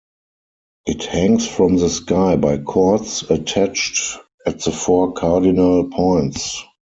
It hangs from the sky by cords attached at the four cardinal points.